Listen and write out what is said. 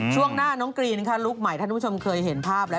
ช่วงหน้าน้องกรีนลุคใหม่ท่านผู้ชมเคยเห็นภาพแล้ว